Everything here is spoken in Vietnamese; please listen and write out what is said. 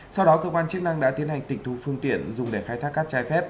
sau đó cơ quan chức năng đã tiến hành tịch thu phương tiện dùng để khai thác cát trái phép